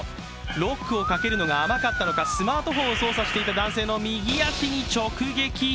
ロックをかけるのが甘かったのか、スマートフォンを操作していた男性の右足に直撃。